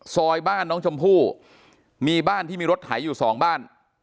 ซอยบ้านน้องชมพู่มีบ้านที่มีรถไถอยู่สองบ้าน